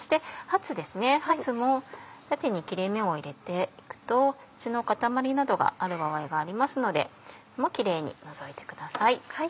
ハツも縦に切れ目を入れて行くと血の塊などがある場合がありますのでキレイに除いてください。